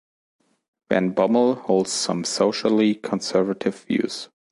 Van Bommel holds some socially conservative views.